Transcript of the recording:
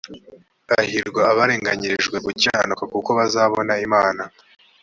hahirwa abarenganyirijwe gukiranuka kuko bazabona imana